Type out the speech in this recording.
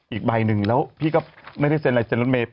อีกใบหนึ่งแล้วพี่ก็ไม่ได้เซ็นอะไรเซ็นรถเมย์